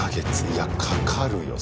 いやかかるよ